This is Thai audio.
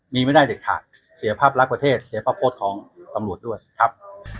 มีไม่ได้เด็ดขาดเสียภาพลักษณ์ประเทศเสียภาพโพสต์ของตำรวจด้วยครับ